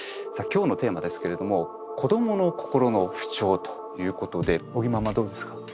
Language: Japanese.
今日のテーマですけれども「子どもの心の不調」ということで尾木ママどうですか？